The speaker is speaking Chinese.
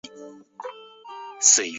八月予致仕离去。